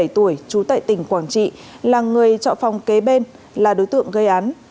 trú tại tỉnh quảng trị là người trọ phòng kế bên là đối tượng gây án